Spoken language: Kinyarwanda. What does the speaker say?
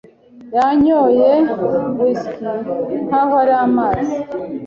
Yanyoye whisky nkaho ari amazi.